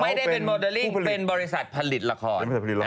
ไม่ได้เป็นโมเดลลิ่งเป็นบริษัทผลิตละคร